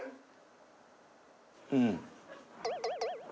うん。